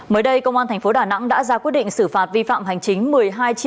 mới đây công an thành phố đà nẵng đã ra quyết định xử phạt vi phạm hành chính